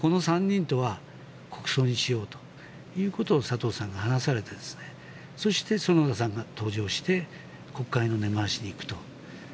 少なくともこの３人とは国葬にしようということを佐藤さんが話されてそして、園田さんが登場して国会の根回しに行くと。